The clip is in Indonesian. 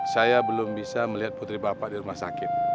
saya belum bisa melihat putri bapak di rumah sakit